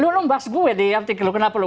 lo ngebahas gue di artikel lo kenapa lo